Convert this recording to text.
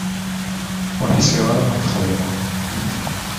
Ur ḥsiɣ ara ad t-xedmeɣ.